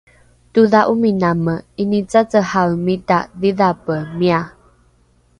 todha’ominame ’inicacehaemita dhidhape mia